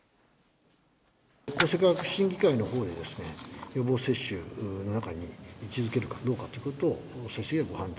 厚生科学審議会のほうでですね、予防接種の中に位置づけるかどうかということを最終的にはご判断。